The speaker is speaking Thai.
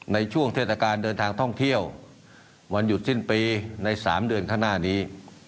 เทศกาลเดินทางท่องเที่ยววันหยุดสิ้นปีใน๓เดือนข้างหน้านี้